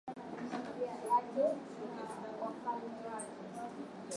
Jana nlichapwa